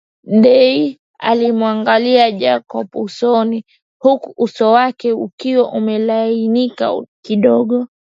Debby alimuangalia Jacob usoni huku uso wake ukiwa umelainika kidogo